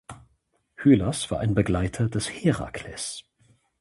Hylas war ein Begleiter des Herakles.